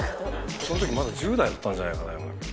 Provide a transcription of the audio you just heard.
⁉そんときまだ１０代だったんじゃないかな山田君。